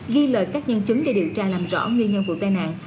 ghi lời các nhân chứng để điều tra làm rõ nguyên nhân vụ tai nạn